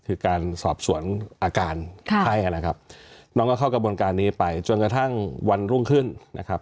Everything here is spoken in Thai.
คือการสอบสวนอาการไข้นะครับน้องก็เข้ากระบวนการนี้ไปจนกระทั่งวันรุ่งขึ้นนะครับ